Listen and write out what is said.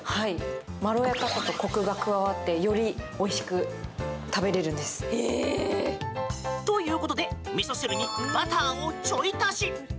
まろやかさとコクが加わってよりおいしく食べれるんです。ということでみそ汁にバターをちょい足し！